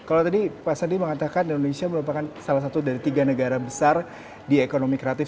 kalau tadi pak sandi mengatakan indonesia merupakan salah satu dari tiga negara besar di ekonomi kreatif